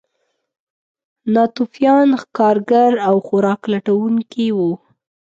ناتوفیان ښکارګر او خوراک لټونکي وو.